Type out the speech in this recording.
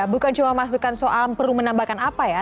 bukan cuma masukan soal perlu menambahkan apa ya